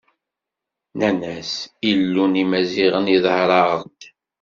Nnan-as: Illu n Imaziɣen iḍher-aɣ-d.